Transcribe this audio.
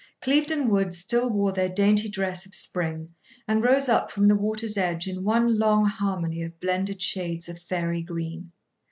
Clieveden Woods still wore their dainty dress of spring, and rose up, from the water's edge, in one long harmony of blended shades of fairy green.